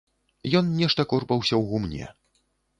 Ён нешта корпаўся ў гумне.